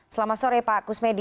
selamat sore pak kusmedi